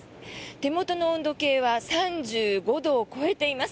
手元の温度計は３５度を超えています。